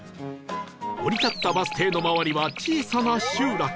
降り立ったバス停の周りは小さな集落